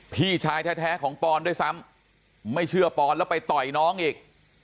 พี่ชายแท้ของปอนด้วยซ้ำไม่เชื่อปอนแล้วไปต่อยน้องอีก